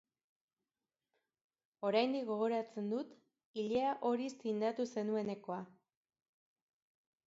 Oraindik gogoratzen dut ilea horiz tindatu zenuenekoa.